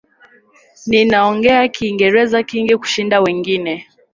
Nina Ongea kiingereza kingi kushinda wengine